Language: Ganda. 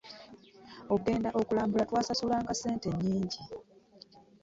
Okugenda okulambula twasasulanga ssente nnyingi